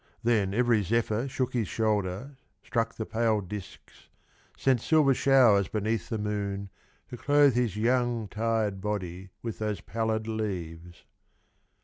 Then every Zephyr shook his shoulder Struck the pale disks Sent silver showers beneath the moon To clothe his young tired body With those pallid leaves.